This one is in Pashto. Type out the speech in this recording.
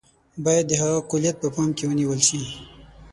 باید د هغه کُلیت په پام کې ونیول شي.